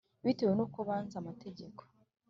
Bitewe n uko banze amategeko